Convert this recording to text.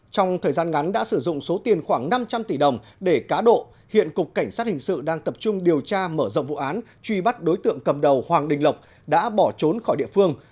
trong thời gian ngắn đã sử dụng số tiền khoảng năm trăm linh tỷ đồng để cá độ hiện cục cảnh sát hình sự đang tập trung điều tra mở rộng vụ án truy bắt đối tượng cầm đầu hoàng đình lộc đã bỏ trốn khỏi địa phương